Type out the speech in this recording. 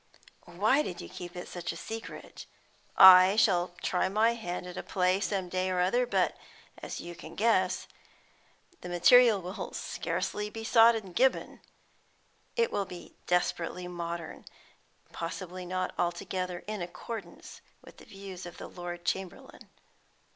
"Why did you keep it such a secret? I shall try my hand at a play some day or other, but, as you can guess, the material will scarcely be sought in Gibbon. It will be desperately modern, and possibly not altogether in accordance with the views of the Lord Chamberlain.